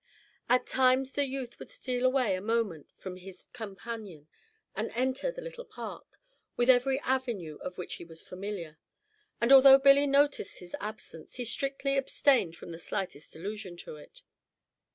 At times the youth would steal away a moment from his companion, and enter the little park, with every avenue of which he was familiar; and although Billy noticed his absence, he strictly abstained from the slightest allusion to it.